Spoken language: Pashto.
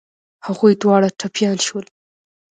هغوی دواړه ټپيان شول.